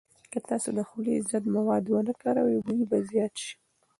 که تاسو د خولې ضد مواد ونه کاروئ، بوی به زیات شي.